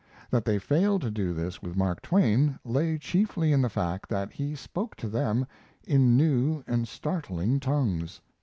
That they failed to do this with Mark Twain, lay chiefly in the fact that he spoke to them in new and startling tongues.